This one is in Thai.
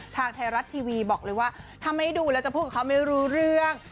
ทางไทยรัฐทีวีบอกเลยว่าถ้าไม่ดูแล้วจะพูดกับเขาไม่รู้เรื่อง